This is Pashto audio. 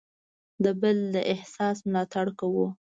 د بل د احساس ملاتړ کوو.